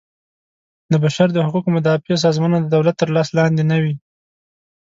د بشر د حقوقو مدافع سازمانونه د دولت تر لاس لاندې نه وي.